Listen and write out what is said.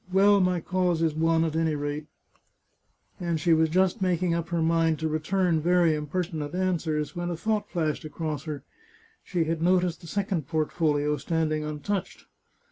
" Well, my cause is won, at any rate !" and she was just making up her mind to return very impertinent answers, when a thought flashed across her — she had noticed 458 The Chartreuse of Parma the second portfolio standing untouched.